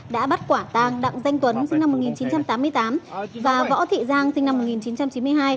đã bắt quả tang đặng danh tuấn sinh năm một nghìn chín trăm tám mươi tám và võ thị giang sinh năm một nghìn chín trăm chín mươi hai